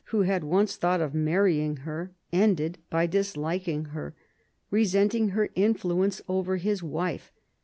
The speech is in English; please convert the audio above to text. who had once thought of marrying her, ended by disliking her, resenting her influence over his wife.